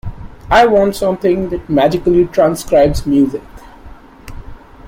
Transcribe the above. I want something that magically transcribes music.